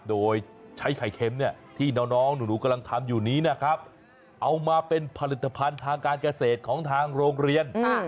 โดยใช้ไข่เค็มเนี่ยที่น้องหนูกำลังทำอยู่นี้นะครับเอามาเป็นผลิตภัณฑ์ทางการเกษตรของทางโรงเรียน